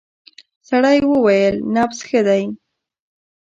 سړی وویل نبض ښه دی.